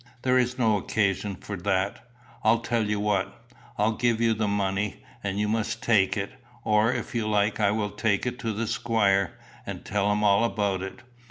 There is no occasion for that. I'll tell you what: I'll give you the money, and you must take it; or, if you like, I will take it to the squire, and tell him all about it.